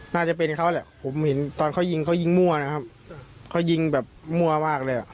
น่าจะเป็นเขาแหละผมเห็นตอนเขายิงเขายิงมั่วนะครับเขายิงแบบมั่วมากเลยอ่ะ